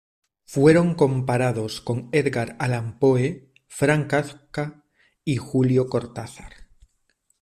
Fueron comparados con Edgar Allan Poe, Franz Kafka o Julio Cortázar.